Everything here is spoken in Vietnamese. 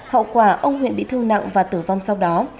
hậu quả ông huyện bị thương nặng và tử vong sau đó